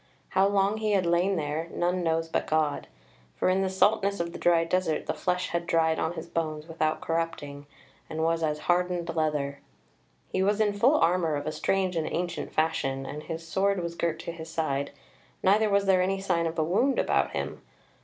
How long he had lain there none knows but God; for in the saltness of the dry desert the flesh had dried on his bones without corrupting, and was as hardened leather. He was in full armour of a strange and ancient fashion, and his sword was girt to his side, neither was there any sign of a wound about him.